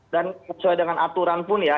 dan sesuai dengan aturan pun ya